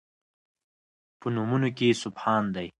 په نومونو کې سبحان دی